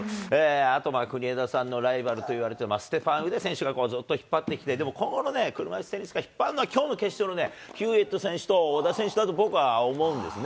あと国枝さんのライバルといわれているステファン・ウデ選手がずっと引っ張ってきて、でも今後のね、車いすテニス界、引っ張っていくのは、きょうの決勝のヒューエット選手と小田選手だと思うんですね。